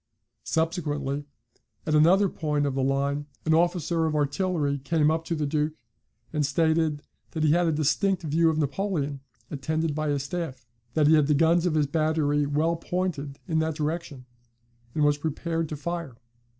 Subsequently, at another point of the line, an officer of artillery came up to the Duke, and stated that he had a distinct view of Napoleon, attended by his staff; that he had the guns of his battery well pointed in that direction, and was prepared to fire.